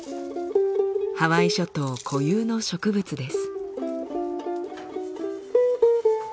ハワイ諸島固有の植物です。